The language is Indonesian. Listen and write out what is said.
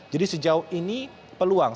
jadi sejauh ini peluang